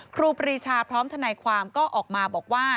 ครูปรีชาพร้อมทนายความก็ออกมาบอกว่า